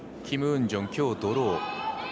キム・ウンジョン、今日ドロー。